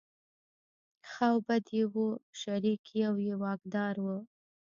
ښه او بد یې وو شریک یو یې واکدار و.